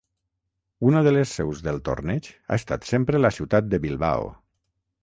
Una de les seus del torneig ha estat sempre la ciutat de Bilbao.